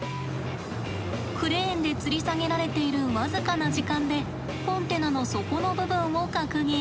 クレーンでつり下げられている僅かな時間でコンテナの底の部分を確認。